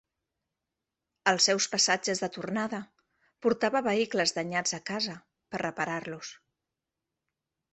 Als seus passatges de tornada, portava vehicles danyats a casa per reparar-los.